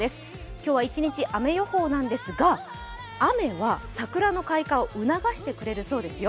今日は一日雨予報なんですが、雨は桜の開花を促してくれるそうですよ。